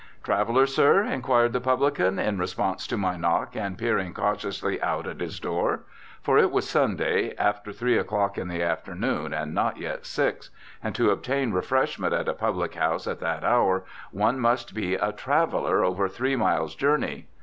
"Traveller, sir?" inquired the publican, in response to my knock and peering cautiously out at his door. For it was Sunday, after three o'clock in the afternoon and not yet six; and to obtain refreshment at a public house at that hour one must be a "traveller over three miles' journey."